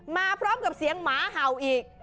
มาพร้อมกับเสียงหมาเห่าอีก